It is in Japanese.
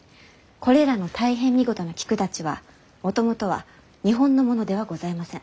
これらの大変見事な菊たちはもともとは日本のものではございません。